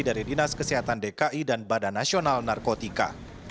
dari dinas kesehatan dki dan badan nasional narkotika